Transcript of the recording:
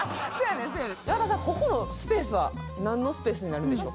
ここのスペースは何のスペースになるんでしょうか？